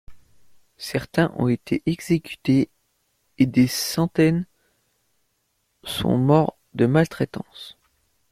Certains ont été exécutés et des centaines sont morts de maltraitance.